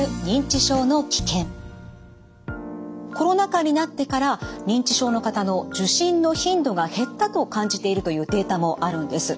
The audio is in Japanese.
コロナ禍になってから認知症の方の受診の頻度が減ったと感じているというデータもあるんです。